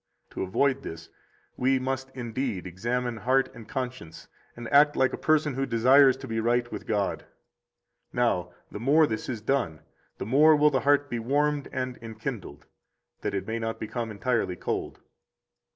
54 To avoid this, we must, indeed, examine heart and conscience, and act like a person who desires to be right with God. Now, the more this is done, the more will the heart be warmed and enkindled, that it may not become entirely cold.